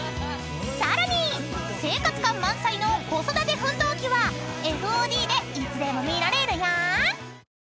［さらに生活感満載の子育て奮闘記はＦＯＤでいつでも見られるよ］